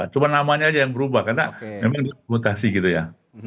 cuma namanya aja yang berubah karena memang mutasi gitu ya